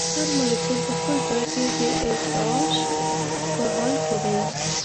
هر مالیکول په خپل ځای کې د ارتعاش په حال کې دی.